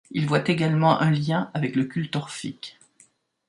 Il voit également un lien avec le culte orphique.